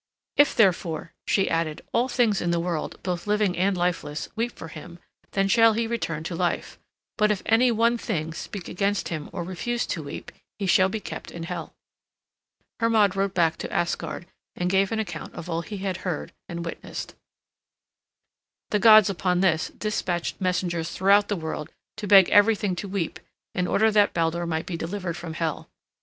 "If, therefore," she added, "all things in the world, both living and lifeless, weep for him, then shall he return to life; but if any one thing speak against him or refuse to weep, he shall be kept in Hel." Hermod then rode back to Asgard and gave an account of all he had heard and witnessed. The gods upon this despatched messengers throughout the world to beg everything to weep in order that Baldur might be delivered from Hel.